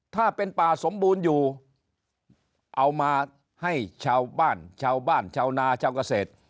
ถ้าเป็นป่าสมบูรณ์อยู่เอามาให้ชาวบ้านชาวบ้านชาวนาชาวเกษตร